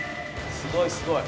すごいすごい。